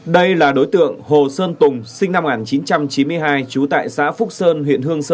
đây là đối tượng hồ sơn tùng sinh năm một nghìn chín trăm chín mươi hai trú tại xã phúc sơn